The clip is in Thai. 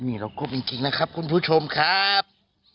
นี่เรากรุ๊ปจริงนะครับคุณผู้ชมครับ